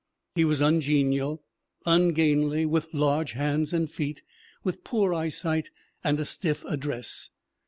He was ungenial, ungainly, with large hands and feet, with poor eyesight and a stiff address.